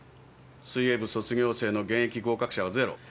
水泳部卒業生の現役合格者はゼロ。